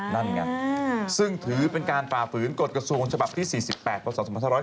นั่นไงซึ่งถือเป็นการฝ่าฝืนกฎกระทรวงฉบับที่๔๘พศ๒๕๖๒